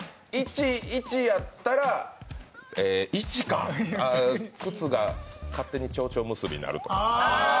１やったら、靴が勝手にちょうちょ結びになるとか。